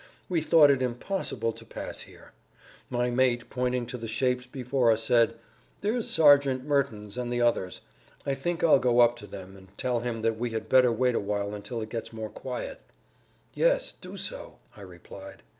We thought it impossible to pass here. My mate, pointing to the shapes before us said, "There's Sergeant Mertens and the others; I think I'll go up to them and tell him that we had better wait a while until it gets more quiet." "Yes; do so," I replied.